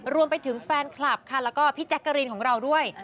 รวมไปถึงแฟนคลับค่ะแล้วก็พี่แจ๊กกะรีนของเราด้วย